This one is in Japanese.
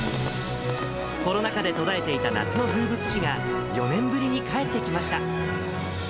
コロナ禍で途絶えていた夏の風物詩が４年ぶりに帰ってきました。